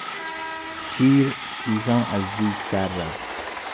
شیر جوشان از دیگ سررفت.